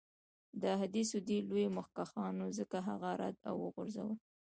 د احادیثو دې لویو مخکښانو ځکه هغه رد او وغورځول.